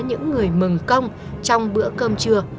những người mừng công trong bữa cơm trưa